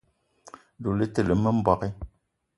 Doula le te lene mbogui.